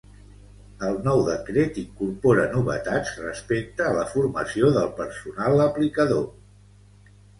El nou Decret incorpora novetats respecte a la formació del personal aplicador.